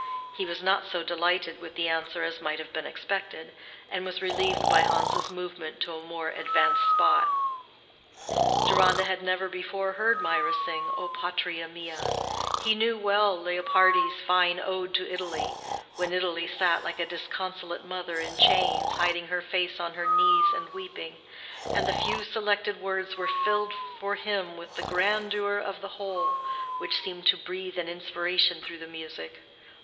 He was not so delighted with the answer as might have been expected, and was relieved by Hans's movement to a more advanced spot. Deronda had never before heard Mirah sing "O patria mia." He knew well Leopardi's fine Ode to Italy (when Italy sat like a disconsolate mother in chains, hiding her face on her knees and weeping), and the few selected words were filled for him with the grandeur of the whole, which seemed to breathe an inspiration through the music.